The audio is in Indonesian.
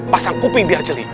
pasang kuping biar jeli